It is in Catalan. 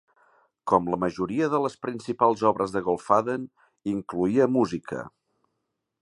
Com la majoria de les principals obres de Goldfaden, incloïa música.